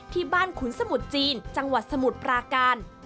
ขุนสมุทรจีนจังหวัดสมุทรปราการ